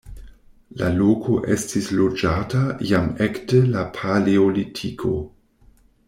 La loko estis loĝata jam ekde la paleolitiko.